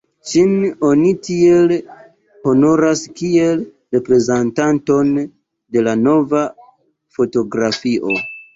Ŝin oni tiel honoras kiel reprezentanton de la "Nova fotografio".